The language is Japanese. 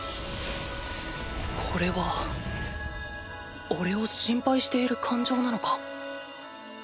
これはおれを心配している感情なのか？